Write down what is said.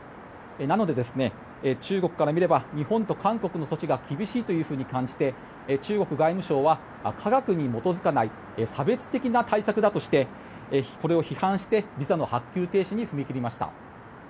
なので、中国から見れば日本と韓国の措置が厳しいというふうに感じて中国外務省は科学に基づかない差別的な対策だとしてこれを批判してビザの発給停止に踏み切りました。